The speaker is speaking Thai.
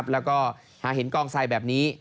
แล้วหากเห็นกล้องไซด์แบบนี้